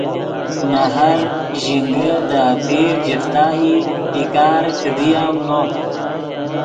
نے ہر ژینگے دے اپیر جفتا ای بیکار کیدی ام نو